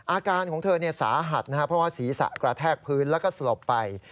อาการของเธอสาหัสนะครับเพราะว่าศีรษะกระแทกพื้นแล้วก็สลบไป